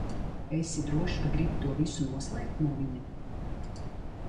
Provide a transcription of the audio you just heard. Esi drošs, ka gribi to visu noslēpt no viņa?